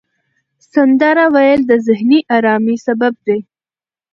سندره ویل د ذهني آرامۍ سبب دی.